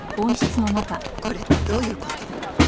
これどういう事？